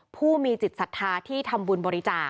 ผู้มีจิตศรัทธาที่ทำบุญบริจาค